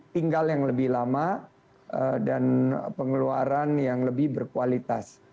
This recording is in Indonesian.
tinggal yang lebih lama dan pengeluaran yang lebih berkualitas